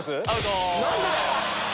何でだよ！